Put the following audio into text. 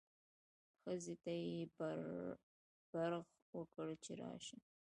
ښځې ته یې برغ وکړ چې راشه.